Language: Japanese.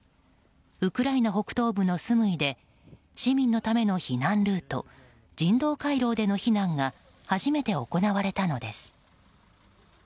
ウクライナ北東部のスムイで市民のための避難ルート人道回廊での避難が初めて行われたのです。